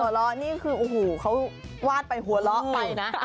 ล้อนี่คือโอ้โหเขาวาดไปหัวเราะไปนะ